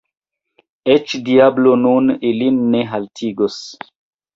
Eĉ diablo nun ilin ne haltigos.